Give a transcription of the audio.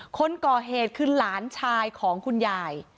คนก่อเหตุคือหลานชายของคุณยาย